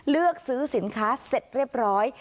เลือกซื้อสินค้าเสร็จเรียบร้อย